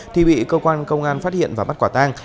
thì bị cơ quan công an phát hiện và bắt quả tang